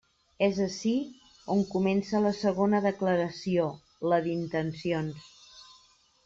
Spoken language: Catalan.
És ací on comença la segona declaració, la d'intencions.